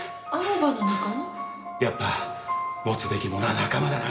やっぱり持つべきものは仲間だな！